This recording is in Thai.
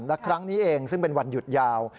และครั้งนี้เองซึ่งเป็นวันหยุดยาว